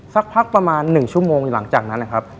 สักพักประมาณ๑ชั่วโมงหลังจากนั้นนะครับ